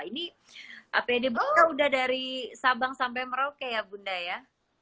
ini apd sudah dari sabang sampai merauke ya bunda ya